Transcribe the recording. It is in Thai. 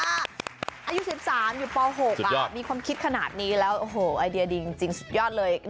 อายุ๑๓อยู่ป๖มีความคิดขนาดนี้แล้วโอ้โหไอเดียดีจริงสุดยอดเลย